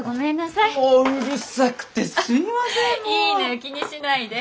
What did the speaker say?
いいのよ気にしないで。